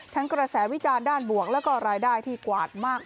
กระแสวิจารณ์ด้านบวกแล้วก็รายได้ที่กวาดมาก